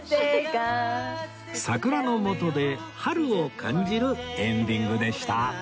桜の下で春を感じるエンディングでした